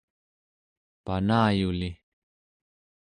panayuli